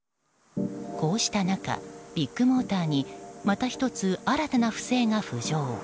こうした中、ビッグモーターにまた１つ新たな不正が浮上。